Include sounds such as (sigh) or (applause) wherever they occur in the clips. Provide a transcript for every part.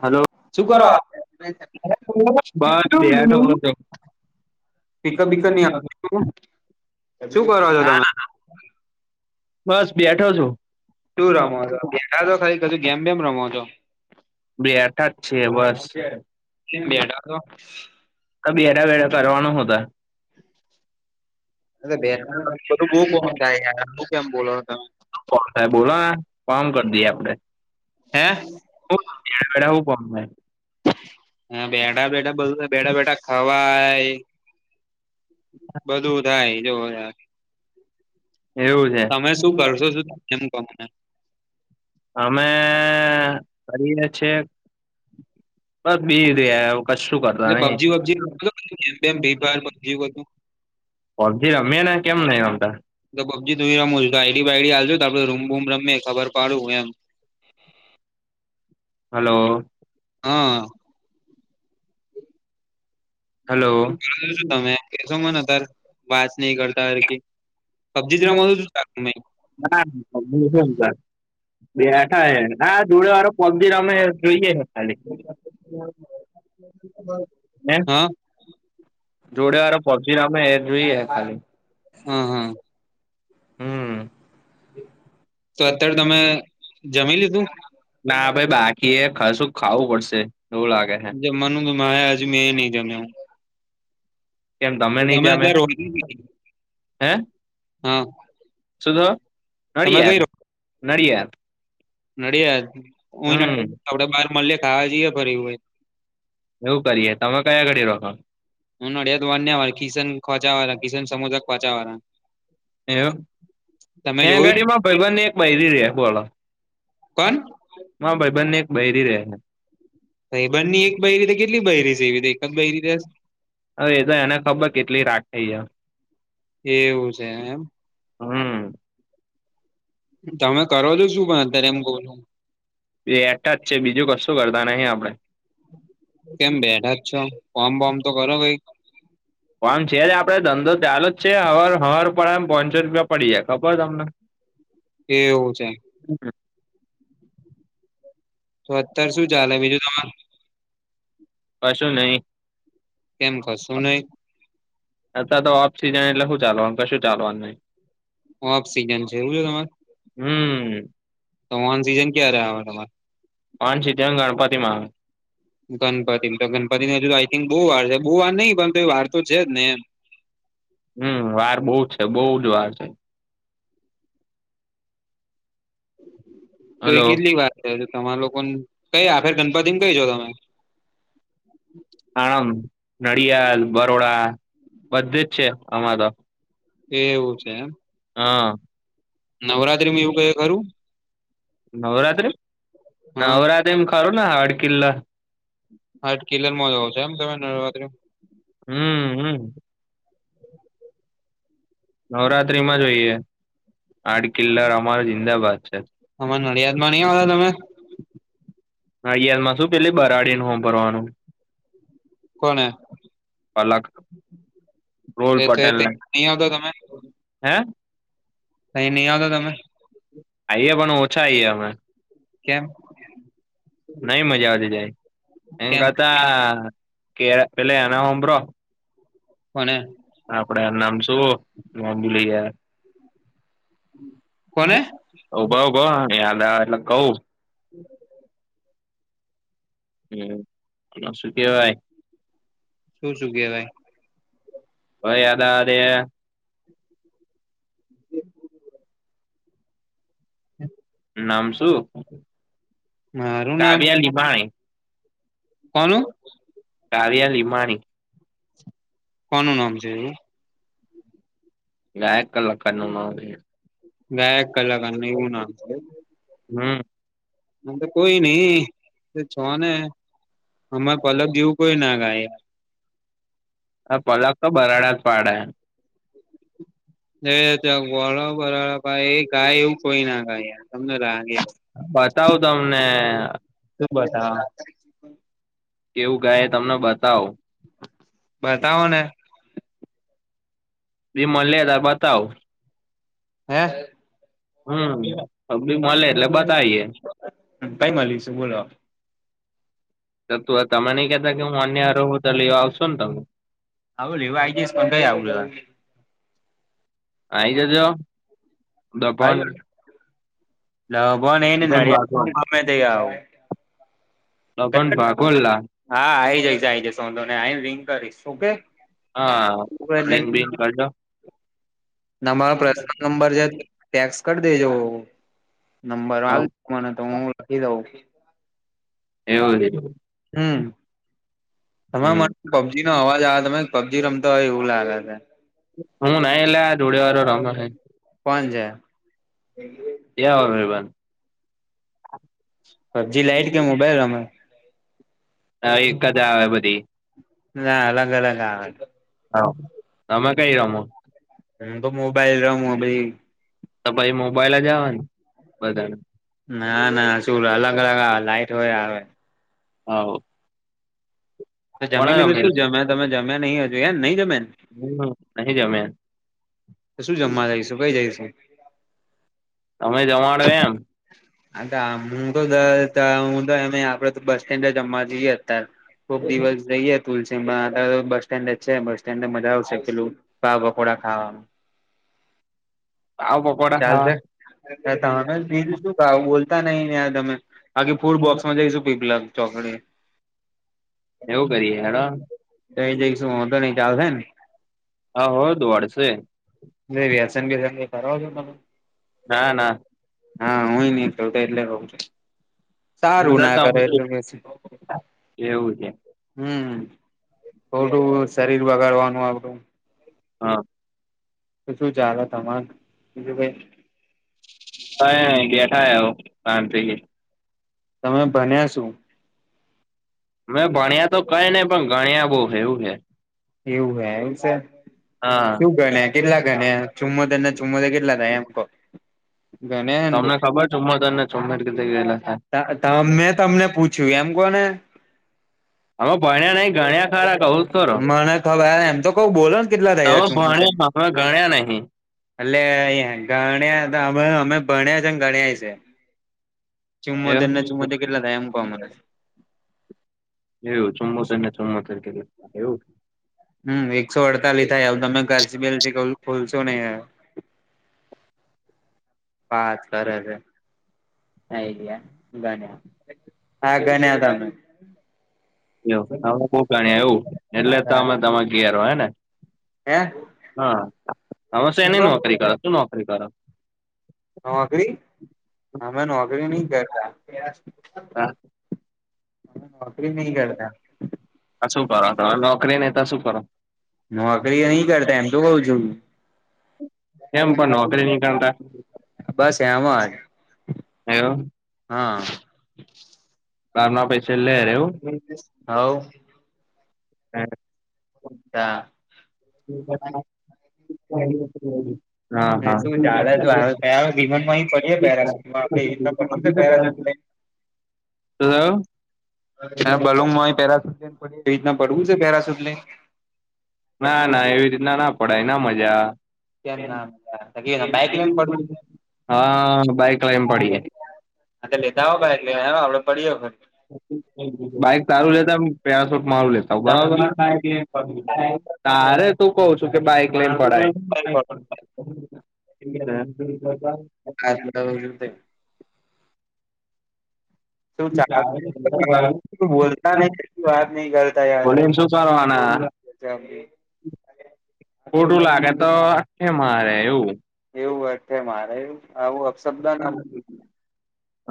હાલો (inaudible) શું કરો પિકઅપ બિકઅપ ની (inaudible) શું કરો? છો તમે બસ બેઠો છું. તું રમો છ (unintelligible) ગેમ બેમ રમો છો. બે આટા જ છે, વર્ષ. બેટાતો. બેઠા બેઠા (unintelligible) હું થાય. (unintelligible) હું કેમ બોલોતો. કોણ સાહે બોલોને ફોન કરી દઈએ આપડે. હે? (unintelligible) એમ કે એઠા -બેઠા બધું બેઠા -બેઠા ખવાય. હ (inaudible) બધું થાય જોવ યાર, એવું છે તમે શું કરશો? (unintelligible) ગમને. અમે કરીને છેક બસ બેહી રયા. કશું કરતા એટલે નઈ. પબજી વબજી ગેમ બેમ ફ્રી ફાયર પબજી બધું પબજી રમે ના કેમ નહી રમતા? તો પબજી તું રમું છ ગાયડી બાઈડી હાલજો તો આપડે રૂમ બૂમ રમે ખબર પાડું એમ. હાલો. હા. હાલો. તમે કેશો મને તાર વાત નઈ કરતા હરખી. પબ્જી (unintelligible) ના (unintelligible) બેઠા હે, હા જોડે વારો પબદી રમે (unintelligible) (inaudible) હા જોડે હારો પબજીી રમે એ જોઈ હ ખાલી. હમ્મ, હમ્મ. હમ્મ. તો અત્યારે તમે જમી લીધું? ના ભાઈ બાકી એ, કશું ખાવું પડશે એવું લાગે. હે જમવાનું તો માયા અજ મેં ની જમ્યો. કેમ તમે ની અત્યારે જમ્યા, રોહિણી હે? હા સુકો, તમે નડિયાદ, કઈ રહો? નડિયાદ. નડિયાદ હુંય હમ આપડે બાર મળીએ ખાવા જઈએ ફરી એ હોય. એવું કરીએ તમે કયા ઘડી રખો? હું નડિયાદ વાન ને કિસન ખોચાવા કિસન સમુદા ખોચવાળ. એવ, ત્યાં જોયું એગાડીમાં ભઈબંધ ની બૈરી રે બોલો. કોણ? માર ભાઈબન ની એક બહેરી રહે. ભઈબંધ ની એક બૈરી તે કેટલી બૈરી છે એવી રીતે એક જ બાઈ રીતે? હવે એ તો એને ખબર કેટલી રાખ થઈ એ. એવું છે એમ. હમ્મ. તમે કરો છો શું પણ અત્યારે એમ કવ છુ બેઠા જ છે, બીજું કશું કરતા નહી આપણે કેમ બેઠા જ છો ફોમ બોમ તો કરો કઈ પણ આમડે છે, જ આપડે ધંધો ચાલુ જ છે, હવાર હવાર પડે એમ પોંચસો રૂપિયા પડી જાય ખબર તમને (inaudible) એવું છે. (inaudible) તો અત્યારે શું ચાલે બીજું તમાર કશું નય કેમ કશું નય અતયાર તો ઓફ સીઝન એટલે હુ ચાલવાનું કશું ચાલવાનું નય ઓફ સિઝન છે, એવું છે, તમારે હમ ત ઓન સિઝન ક્યારે તમા ઓન સિજન ગણપતિમાં ગણપતિ તો ગણપતિની હજુ તો આઈ થિંક બો વાર છે, બો વાર નહી પણ તો એ વાર તો છે, જ ને એમ હમ વાર બો છે, બો જ વાર છે. તો હલો એ કેટલી વાત (unintelligible) તમારા લોકો કઈ આપે ગણપતિને કઈ છો તમે આણંદ, નડિયાલ, બરોડા બધે જ છે, આમા ત એવું છે, એમ હ. નવરાત્રીમાં એવું કયે કરું નવરાત્રી હા નવરાત્રીમાં ખરુ ને હાડકીલલા હાડકિલ્લર મો જવો છે, એમ તમે નવરાત્રી હમ્મ હમ્મ. નવરાત્રીમાં જોઈએ આડ કિલ્લાર અમાર જિંદાબાદ છે. અમા નડિયાદમાં ની આવ્યા તમે? નાડીયાદમાં શું પેલી બરાડીને હભરવાનું કોને? પલક ધોલ પટેલ ને નહી આવતા તમે હે કયની આવતા તમે આયે પણ ઓછા આયે અમે કેમ? નહિ મજા આવતી ત્યાં એન કેમ કરતા કે પેલા એના હભળો કોને? આપણે એન નામ શું (unintelligible) કોને (unintelligible) એટલે કહું (inaudible) હમ્મ શું કેવાય શું શું કેવાય? ભાઈ યાદ આવા દે (inaudible) નામ શું મારું નામ કાવ્યા લિમાણી કોનું? કાવ્યા લીંમાણી કોનું નામ છે, એ? ગાયક કલાકારનું નામ ગાયક કલાકારનું એવું નામ હોય? હમ્મ. મન તો કોઈની જો ને અમાર પલક જેવુ કોય ના ગાય આ પલક તો બરાડા પાડે જે ત્યાં ગોડો (unintelligible) ભાઈ ગાય એવું કોઈ ના ખાય, તમને લાગે એવું. બતાવું તમને શું બતાવાના? કેવું ગાહે તમને બતાવું. બતાવો ને. દિ મલે તાર બતાવું. હે? હમ્મ, અભી મલે એટલે બતાઈએ. કઈ મલીશુ બોલો? ત તો તમે નઈ કહેતા હું અહીંયા રવહુ તો લેવા આવશો ન તમ. હવે લેવા આઈ જઈશ તમને (unintelligible) આવી જજો દભણ. દભણ એને દભણ નડિયાદથી ભાગોલ હામેથી આવું. દભણ ભાગોલ લા. હા આઈ જઈશ આઈ જઈશ વાધો નહીં આઈને રિંગ કરીશ ઓકે. હ એટલે રિંગ બિંગ કરજો. નમારો પર્સનલ નંબર જરાક ટેક્સ કર દેજો નંબર આલ મને તો હું લખી દઉં. એવું લીધું. હમ્મ, તમે મ હમ પબજીનો અવાજ આવે તમે પબજી રમતાં હોય એવું લાગે છે. હું નઈ લ્યા જોડેવારો રમે હે. કોન છે? તયા ઓર ભઈબંધ પબજી લાઈટ કે મોબાઈલ રમે? લા એક જ આવે બધી. ના અલગ-અલગ આવે. હવ તમે કઈ રમો? હું તો મોબાઈલ રમુ પહી તો ભઈ મોબાઈલ જ આવે ન બધાને. ના ના શું અલગ-અલગ આવે લાઈટ હોય આવે. હવ. તો કોને જમી લીધું શું રમેલી જમ્યા? તમે જમ્યા નહીં હજુ એમ નહીં જમ્યા ને? હમ્મ, નહીં જમ્યા. શું જમવા જઈશું, કઈ જઈશું? તમે જમાડો એમ. અતા હું તો હું તો એમેય આપડે તો બસ સ્ટેન્ડે જમવા જઈએ અત્યાર. કોક દિવસ જઈએ. તુલસીમાં અતાર તો બસ સ્ટેન્ડે જ છે, બસ સ્ટેન્ડ મજા આવશે પેલું પાવ પકોડા ખાવા. આવ કોક. ચાલશે તમે બીજુ શું કરો બોલતા નઈને યાર તમે. બાકી ફૂડ બોક્સમાં જઈશું પીપલા ચોકડે. એવું કરીએ હેડોન. તો એ જઈશું વાંધો નઈ ચાલશે હા હો દોડશે. કંઈ વ્યસન બ્યસન કરો છો તમે? ના ના. હા હુંય નઈ કરતો એટલે કઉ છું. એવું સારું ના કરે એટલે પછી તો. છે હમ્મ ખોટું શરીર બગાડવાનું આપડું. હ. તો શું ચાલો તમારે બીજું કાઈ અએ બેઠા હે હઓ તાણ જઈએ. તમે ભન્યા શું? મે ભણ્યા તો કઈ નહિ પણ ગણ્યા બહુ હે એવું હે એવું હે એવું છે હા શું ગણે કેટલા થાય ચુમોતેર ને ચુમોતેર કેટલા થાય એમ કો તમને ખબર ચુમોતેર ને ચુમો કેટલા થાય તા મેં તમને પૂછ્યું એમ કોને અમે ભણયા નહી ગણયા ખરા કઉ ખરો પૂછવા ગયા એમ તો કઉ બોલો ને કેટલા તમે થયા ચુમોતેર ભણ્યા અમે ગણ્યા નહીં એટલે એ ગણ્યા અમે અમે ભણ્યા છેને ગણ્યા એ છે. ચુમોતેર ને એવું ચુમોતેર કેટલા થાય એમ કો મને એવું ચુમોતેર ને ચુમોતેર એવું હમ્મ એકસો અડતાલીસ થાય તમે (unintelligible) કઉ ભૂલશો નહિ. વાત કરે છે. આઈ ગયા ગણ્યાં હા ગણ્યા તા મેં જો અમે બઉ ગણ્યા એવું એટલે તો અમે તમાર ઘેર હેને. હે હા હવે શું કો સેની નોકરી કરો શું નોકરી કરો નોકરી અમે નોકરી નહી કરતા હ હા નોકરી નહી કરતા શું કરો હો નોકરી નઈ તો શું કરો? નોકરી નહી કરતા એમ તો કઉ છું કેમ પણ નોકરી નહીં કરતા બસ એમાંજ એવું હા. બાર ના પૈસા લેર એવું હઓ હા. દા (unintelligible) હા હા શું ચાલે શું હવે પેરા વિમાનમાં અહી પડીએ પેરાસૂટમાં આપડે (unintelligible) તો થયું? હા બલુમ હોય પેલા એવી રીતના પડવું છે પેરા સુટ લઈ ના ના એવી રીતના ના પડાય ના મજા આવ કેમ ના બાઈક લઈને પડવું છે (unintelligible) હા બાઈક લઈ ને પડીએ. અ લીધા વગર (unintelligible) આપડે પડીયો હે બાઈક તારું લેતા આવુ પેરાશૂટ મારું લેતાવુ બરાબર તારે તું કઉ છુ કે બાઈક લઈને પડાય (unintelligible) (unintelligible) શું ચા બોલતા નહીં વાત નહી કરતા યાર બોલીને શું કરવાના તમે (unintelligible) ખોટું લાગે તો અટ્ઠે મારે એવું એવું અઠ્ઠે મારે એવુ આવું અપશબ્દ ના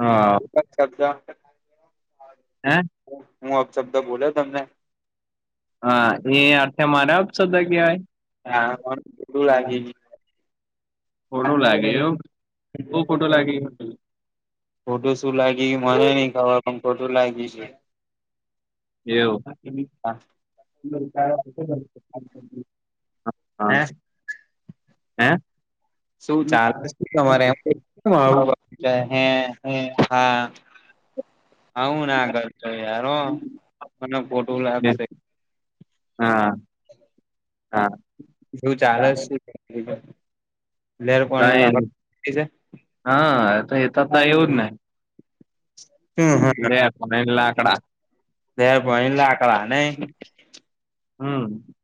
હા અપશબ્દ હા હું અપશબ્દ બોલ્યો તમને હા એ અર્થે મારા અપશબ્દ કહેવાય હા પણ ખોટું લાગી ગયું ખોટું લાગ્યું એવું બહું ખોટું લાગ્યું ખોટું શું લાગી મને નહીં ખબર પણ ખોટું લાગી છે. એવું. હા. હે (inaudible) હે? શું ચાલે તમારે કેમ આવું હે, હે, હા. આવું ના કરતો યાર હો મને ખોટું બે લાગશે. હા, હા. શું ચાલે શું લેર પોણી કઈ લાપા નઈ થઈ જાય. હા એતો તા એવું જ ને. (inaudible) લે (unintelligible) લાકડા. લેર પાણી લાકડા નહીં. હમ.